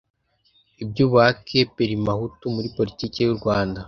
iby'ubuhake; parmehutu muri politiki y'u Rwanda;